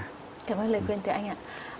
cảm ơn lời khuyên từ anh ạ